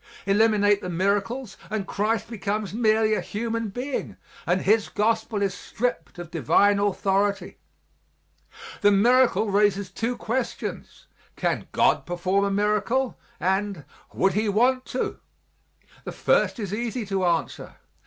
Eliminate the miracles and Christ becomes merely a human being and His gospel is stript of divine authority. The miracle raises two questions: "Can God perform a miracle?" and, "Would He want to?" The first is easy to answer.